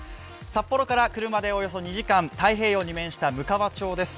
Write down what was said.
札幌から車でおよそ２時間、太平洋に面したむかわ町です。